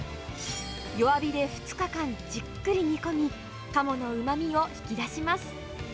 弱火で２日間じっくり煮込み、カモのうまみを引き出します。